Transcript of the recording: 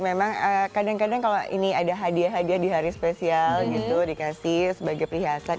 memang kadang kadang kalau ini ada hadiah hadiah di hari spesial gitu dikasih sebagai perhiasan